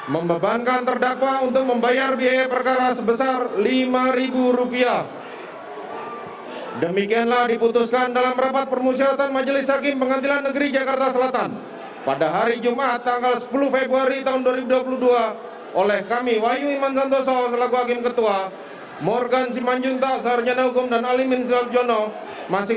menetapkan terdakwa sebagai saksi